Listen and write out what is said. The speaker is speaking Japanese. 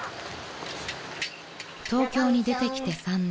［東京に出てきて３年］